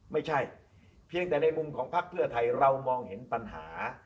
ไม่ใช่เพียงแต่ในมุมของพักเพื่อไทยเรามองเห็นปัญหา